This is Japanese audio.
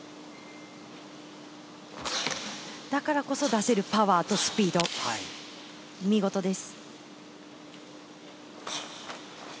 だからこそ出せるパワーとスピード、見事です。